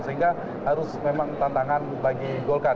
sehingga harus memang tantangan bagi golkar